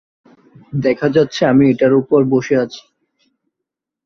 দেখা যাচ্ছে আমি ওটার ওপর বসেছি।